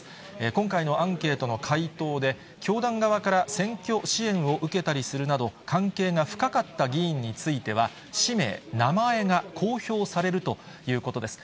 今回のアンケートの回答で、教団側から選挙支援を受けたりするなど、関係が深かった議員については、氏名、名前が公表されるということです。